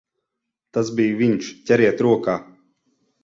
Tas bija viņš! Ķeriet rokā!